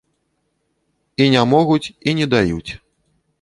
І не могуць, і не даюць.